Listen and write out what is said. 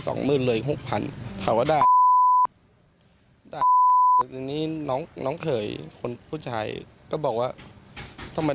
สองมือเลย๖๐๐๐เขาว่าได้ตอนนี้น้องเขยคนผู้ชายก็บอกว่าทำไม